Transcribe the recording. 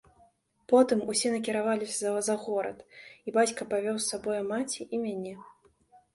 Потым усе накіраваліся за горад, і бацька павёў з сабою маці і мяне.